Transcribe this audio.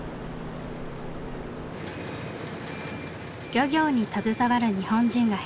漁業に携わる日本人が減る中